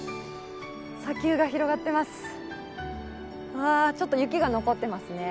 あちょっと雪が残ってますね。